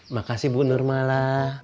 makasih bu nurmala